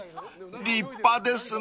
［立派ですね］